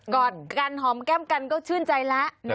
อดกันหอมแก้มกันก็ชื่นใจแล้ว